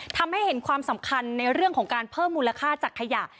ทำให้เห็นความสำคัญในเรื่องของการเพิ่มมูลค่าจากขยะ